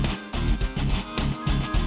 terima kasih chandra